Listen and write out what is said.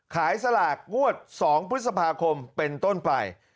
สลากงวด๒พฤษภาคมเป็นต้นไป